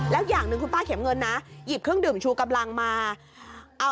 แล้วอย่างหนึ่งคุณป้าเข็มเงินนะหยิบเครื่องดื่มชูกำลังมาเอา